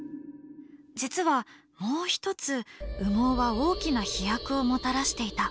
実はもう一つ羽毛は大きな飛躍をもたらしていた。